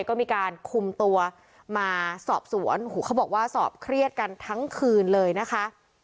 ก็มีการคุมตัวมาสอบสวนโอ้โหเขาบอกว่าสอบเครียดกันทั้งคืนเลยนะคะ